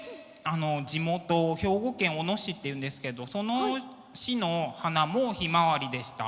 地元兵庫県小野市っていうんですけどその市の花もヒマワリでした。